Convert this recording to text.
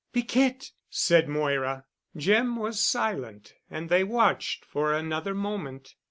"Piquette!" said Moira. Jim was silent and they watched for another moment.